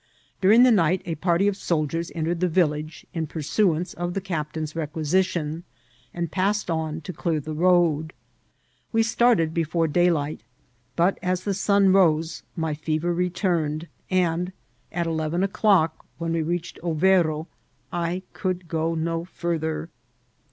During the night a party of sol diers entered the village, in pursuance of the captain's requisition, and passed on to clear the road. We start* ed before daylight ; but as the sun rose my fever re* turned, and at eleven o'clock, when we reached Overo, I could go no farther.